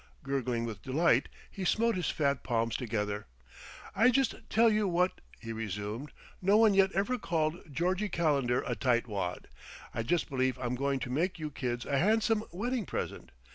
Gurgling with delight he smote his fat palms together. "I just tell you what," he resumed, "no one yet ever called Georgie Calendar a tight wad. I just believe I'm going to make you kids a handsome wedding present....